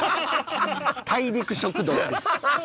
大陸食道です。